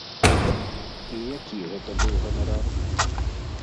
І які гэта быў ганарар?